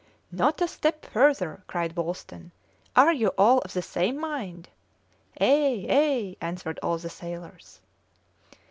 "Not a step further!" cried Wolsten. "Are you all of the same mind?" "Ay! ay!" answered all the sailors.